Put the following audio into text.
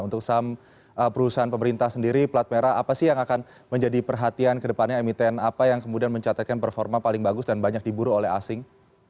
untuk saham perusahaan pemerintah sendiri plat merah apa sih yang akan menjadi perhatian kedepannya emiten apa yang kemudian mencatatkan performa paling bagus dan banyak diburu oleh asing